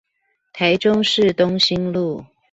臺中市東興路